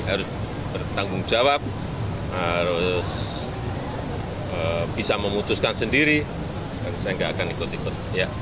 harus bertanggung jawab harus bisa memutuskan sendiri dan saya nggak akan ikut ikut